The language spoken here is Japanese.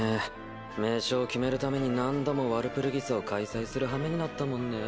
名称を決めるために何度もワルプルギスを開催するはめになったもんね。